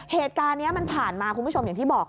เหตุการณ์นี้มันผ่านมาคุณผู้ชมอย่างที่บอก